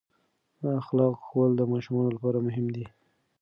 اخلاق ښوول د ماشومانو لپاره مهم دي.